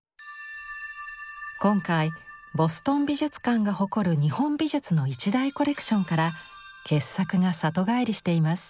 今回ボストン美術館が誇る日本美術の一大コレクションから傑作が里帰りしています。